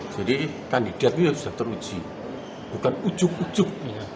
jadi kandidatnya sudah teruji bukan ujuk ujuk